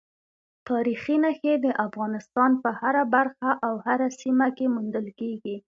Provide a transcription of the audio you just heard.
تاریخي نښې د افغانستان په هره برخه او هره سیمه کې موندل کېږي.